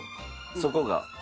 そこが。